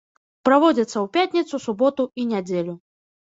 Праводзяцца ў пятніцу, суботу і нядзелю.